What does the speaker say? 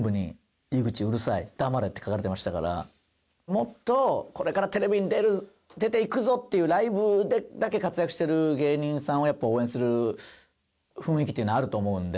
もっとこれからテレビに出ていくぞ！っていうライブでだけ活躍してる芸人さんをやっぱ応援する雰囲気っていうのはあると思うんで。